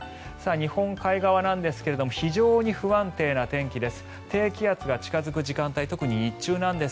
日本海側なんですが非常に不安定な天気です。